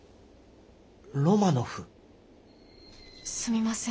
すみません。